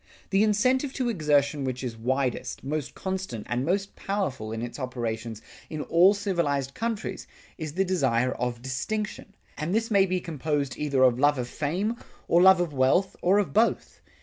The incentive to exertion which is widest, most constant, and most powerful in its operations in all civilized countries, is the desire of distinction; and this may be composed either of love of fame or love of wealth or of both.